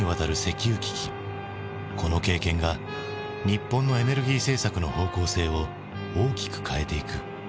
この経験が日本のエネルギー政策の方向性を大きく変えていく。